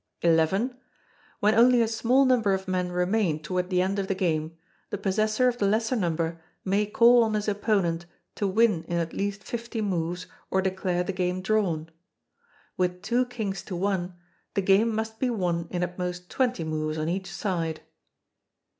xi. When only a small number of men remain toward the end of the game, the possessor of the lesser number may call on his opponent to win in at least fifty moves, or declare the game drawn. With two Kings to one, the game must be won in at most twenty moves on each side.